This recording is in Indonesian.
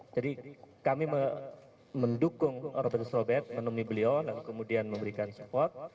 jadi kami mendukung robertus robert menemani beliau dan kemudian memberikan support